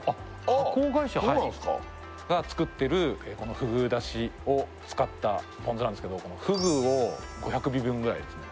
あそうなんすかが作ってるこのフグ出汁を使ったポン酢なんすけどフグを５００尾分ぐらいですね